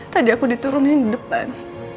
tadi aku diturunin di depan